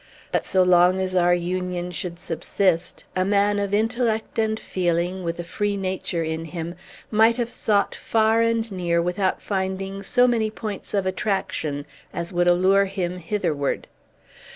But, so long as our union should subsist, a man of intellect and feeling, with a free nature in him, might have sought far and near without finding so many points of attraction as would allure him hitherward.